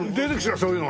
そういうのが。